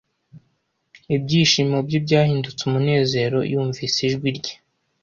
Ibyishimo bye byahindutse umunezero yumvise ijwi rye.